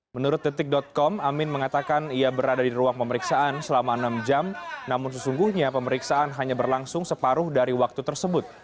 menurut detik com amin mengatakan ia berada di ruang pemeriksaan selama enam jam namun sesungguhnya pemeriksaan hanya berlangsung separuh dari waktu tersebut